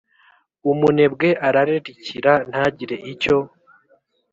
Umunebwe arararikira ntagire icyo